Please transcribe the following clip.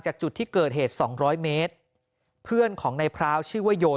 จากจุดที่เกิดเหตุ๒๐๐เมตรเพื่อนของในพร้าวชื่อว่าโย